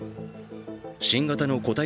新型の固体